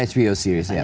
hbo series ya